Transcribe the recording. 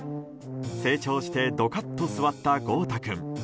成長してどかっと座った豪太君。